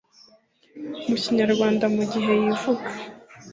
mu Kinyarwanda mu gihe yivuga